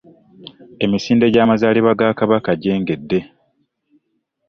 Emisinde gy'amazalibwa ga kabaka gyengedde.